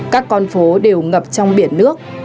các con phố đều ngập trong biển nước